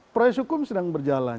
proyek hukum sedang berjalan